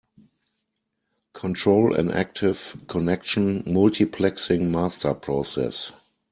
Control an active connection multiplexing master process.